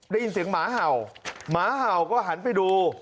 ได้ยินเสียงหมาเห่าหมาเห่าก็หันไปดู